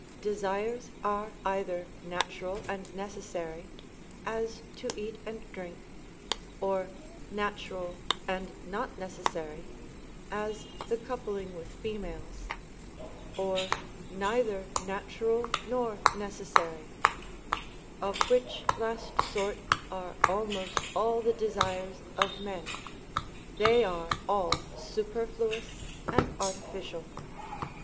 Desires are either natural and necessary, as to eat and drink; or natural and not necessary, as the coupling with females; or neither natural nor necessary; of which last sort are almost all the desires of men; they are all superfluous and artificial.